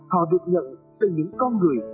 họ được nhận từ những con người